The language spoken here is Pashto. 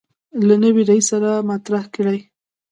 له نوي رئیس سره مطرح کړي.